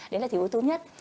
đấy là thì yếu tố nhất